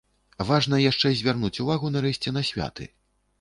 Важна яшчэ звярнуць увагу нарэшце на святы.